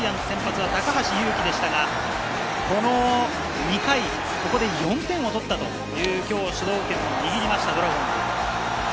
ジャイアンツ先発の高橋優貴でしたが、２回、ここで４点を取ったという、今日の主導権を握りましたドラゴンズ。